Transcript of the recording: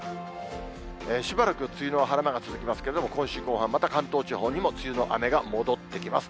しばらく梅雨の晴れ間が続きますけれども、今週後半、また関東地方にも梅雨の雨が戻ってきます。